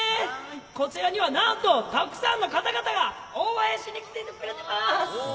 こちらにはなんとたくさんの方々が応援しに来てくれています。